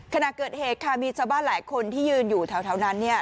ขณะเกิดเหตุค่ะมีชาวบ้านหลายคนที่ยืนอยู่แถวนั้นเนี่ย